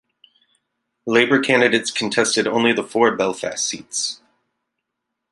Labour candidates contested only the four Belfast seats.